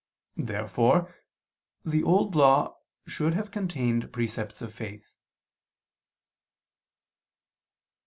Therefore the Old Law should have contained precepts of faith.